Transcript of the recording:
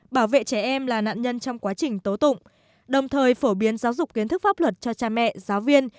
bảo vệ trẻ em là nạn nhân trong quá trình tố tụng đồng thời phổ biến giáo dục kiến thức pháp luật cho cha mẹ giáo viên